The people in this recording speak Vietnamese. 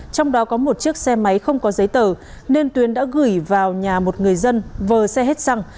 trong đó có một chiếc xe máy không có giấy tờ nên tuyến đã gửi vào nhà một người dân vờ xe hết xăng